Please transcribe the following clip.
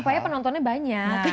supaya penontonnya banyak